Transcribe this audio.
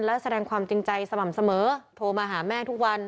และแสดงความจริงใจสม่ำเสมอโทรมาหาแม่ทุกวัน